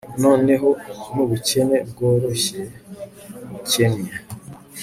noneho nubukene bworoshye bukennye